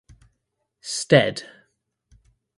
Stead.